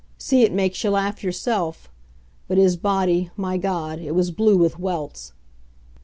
See, it makes you laugh yourself. But his body my God! it was blue with welts!